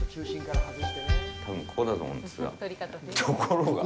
多分、ここだと思うんですが。